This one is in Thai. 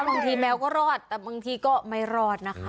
บางทีแมวก็รอดแต่บางทีก็ไม่รอดนะคะ